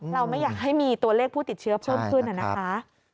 เราไม่อยากให้มีตัวเลขผู้ติดเชื้อเพิ่มขึ้นนะคะ